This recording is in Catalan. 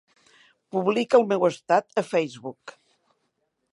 Publica el meu estat a Facebook.